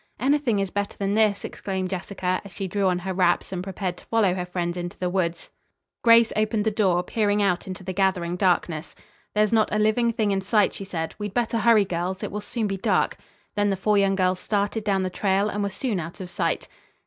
"Anything is better than this," exclaimed Jessica, as she drew on her wraps and prepared to follow her friends into the woods. Grace opened the door, peering out into the gathering darkness. "There is not a living thing in sight," she said. "We'd better hurry, girls; it will soon be dark." Then the four young girls started down the trail and were soon out of sight.